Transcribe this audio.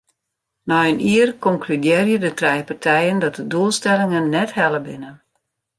Nei in jier konkludearje de trije partijen dat de doelstellingen net helle binne.